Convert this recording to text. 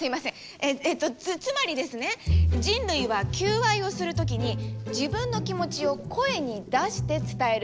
えっとつまりですね人類は求愛をする時に自分の気持ちを声に出して伝える。